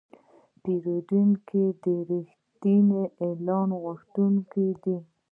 پیرودونکی د رښتیني اعلان غوښتونکی دی.